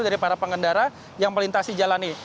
dari para pengendara yang melintasi jalan ini